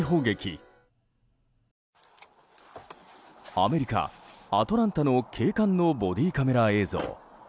アメリカ・アトランタの警官のボディーカメラ映像。